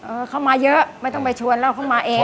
เออเข้ามาเยอะไม่ต้องไปชวนเราเข้ามาเอง